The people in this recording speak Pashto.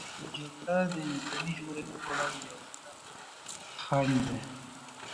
جګړه د انساني ژغورنې په وړاندې یوې سترې خنډ دی.